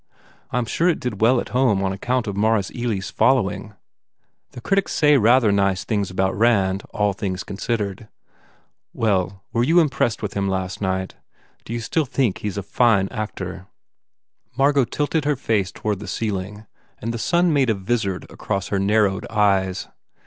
I m sure it did well at home on account of Maurice Ealy s following. The critics say rather nice things about Rand, all things considered. ... Well, were you impressed with him last night? Do you still think he s a fine actor?" Margot tilted her face toward the ceiling and the sun made a visard across her narrowed eyes.